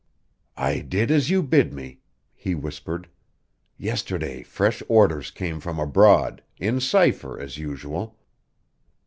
"I did as you bid me," he whispered. "Yesterday fresh orders came from abroad, in cipher, as usual.